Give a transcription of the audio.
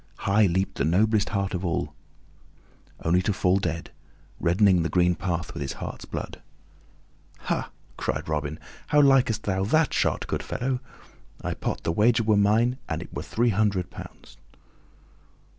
High leaped the noblest hart of all the herd, only to fall dead, reddening the green path with his heart's blood. "Ha!" cried Robin, "how likest thou that shot, good fellow? I wot the wager were mine, an it were three hundred pounds."